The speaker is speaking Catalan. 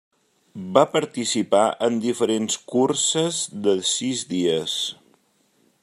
Va participar en diferents curses de sis dies.